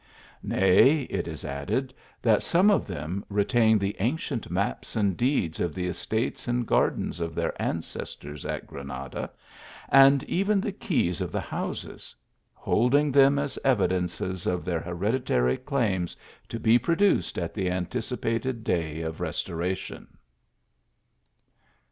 Nay, it is added, that some of them retain the an cient maps and deeds of the estates and gardens of their ancestors at Granada, and even the keys of the houses ; holding them as evidences of their hered itary claims, to be produced at the anticipated day of restoration.